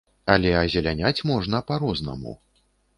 Але азеляняць можна па-рознаму.